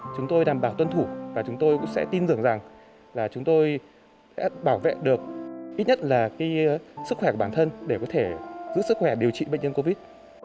chúng tôi đảm bảo tuân thủ và chúng tôi cũng sẽ tin tưởng rằng là chúng tôi sẽ bảo vệ được ít nhất là sức khỏe của bản thân để có thể giữ sức khỏe điều trị bệnh nhân covid